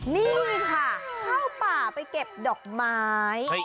นี่ค่ะเข้าป่าไปเก็บดอกไม้